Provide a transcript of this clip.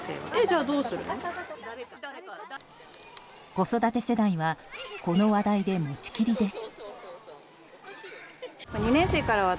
子育て世代はこの話題で持ち切りです。